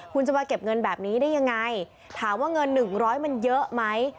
คุณจะมาเก็บเงินแบบนี้ได้ยังไงถามว่าเงิน๑๐๐มันเยอะไหม